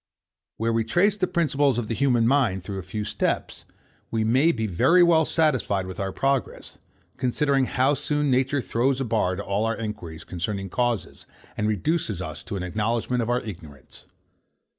Where we trace the principles of the human mind through a few steps, we may be very well satisfied with our progress; considering how soon nature throws a bar to all our enquiries concerning causes, and reduces us to an acknowledgment of our ignorance.